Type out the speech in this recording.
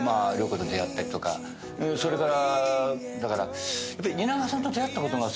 それからだから。